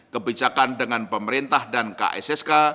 kebijakan dengan pemerintah dan kssk